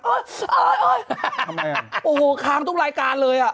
โอ้โหค้างทุกรายการเลยอ่ะ